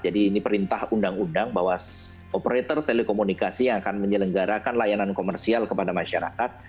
jadi ini perintah undang undang bahwa operator telekomunikasi yang akan menyelenggarakan layanan komersial kepada masyarakat